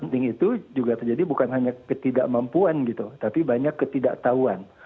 penting itu juga terjadi bukan hanya ketidakmampuan gitu tapi banyak ketidaktahuan